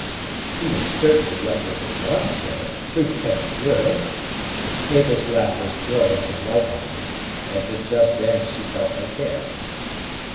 "He is certainly younger than one, sir Lieutenant Muir." Mabel's laugh was joyous and light hearted, as if just then she felt no care.